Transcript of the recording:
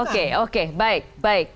oke oke baik baik